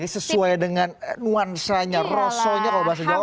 sesuai dengan nuansanya rosonya kalau bahasa jawa